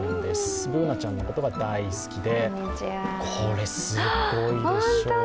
Ｂｏｏｎａちゃんのことが大好きで、これ、すごいでしょ。